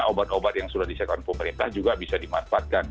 obat obat yang sudah disiapkan pemerintah juga bisa dimanfaatkan